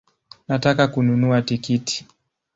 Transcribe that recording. Nataka kununua tikiti